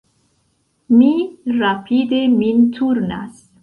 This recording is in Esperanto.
Mi rapide min turnas.